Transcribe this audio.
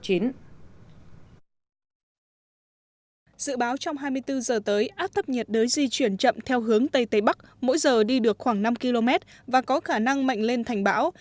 dự báo trong hai mươi bốn giờ tới áp thấp nhiệt đới di chuyển chậm theo hướng tây tây bắc mỗi giờ đi được khoảng năm km và có khả năng mạnh lên thành bão